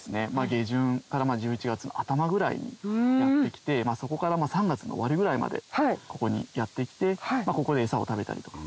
下旬から１１月の頭ぐらいにやって来てそこから３月の終わりぐらいまでここにやって来てここでエサを食べたりとか。